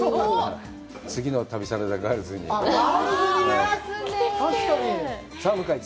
次の旅サラダガールズに。